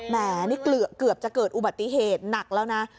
แหมนี่เกือบจะเกิดอุบัติเหตุหนักแล้วนะ